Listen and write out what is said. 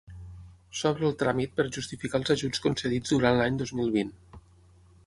S'obre el tràmit per justificar els ajuts concedits durant l'any dos mil vint.